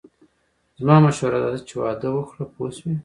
زما مشوره داده چې واده وکړه پوه شوې!.